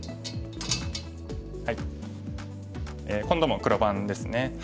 今度も黒番ですね。